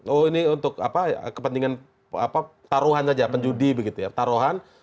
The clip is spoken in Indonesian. oh ini untuk kepentingan taruhan saja penjudi begitu ya taruhan